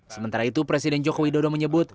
sementara itu presiden jokowi dodo menyebut